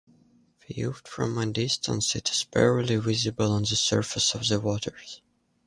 Viewed from a distance, it is barely visible on the surface of the waters.